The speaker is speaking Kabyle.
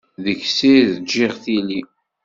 Deg-s i rǧiɣ tili.